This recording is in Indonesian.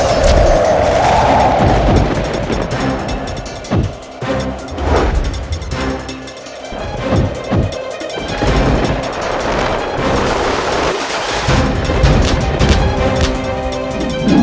kerajaan sukamala akan menghabisimu